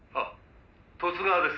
「十津川です」